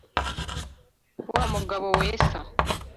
wa mugabo-wesa